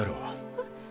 えっ？